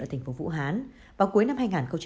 ở thành phố vũ hán vào cuối năm hai nghìn một mươi chín